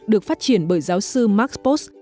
được phát triển bởi giáo sư mark post